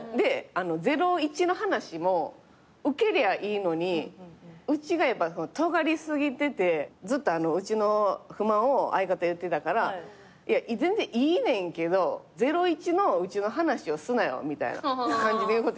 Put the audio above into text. ゼロイチの話もウケりゃいいのにうちがとがりすぎててずっとうちの不満を相方が言ってたから「いや全然いいねんけどゼロイチのうちの話をすなよ」みたいな感じのこと言ってんやんか。